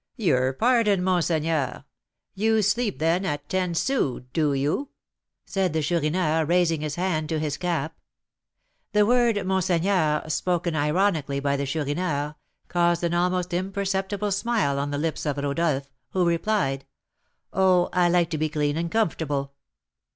"Your pardon, monseigneur; you sleep, then, at ten sous, do you?" said the Chourineur, raising his hand to his cap. The word monseigneur, spoken ironically by the Chourineur, caused an almost imperceptible smile on the lips of Rodolph, who replied, "Oh, I like to be clean and comfortable."